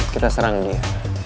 kita serang dia